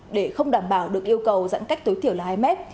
để không đảm bảo được yêu cầu giãn cách tối thiểu là hai mét